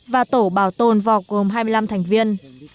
và tổ bảo tồn vọt gồm hai mươi năm thành viên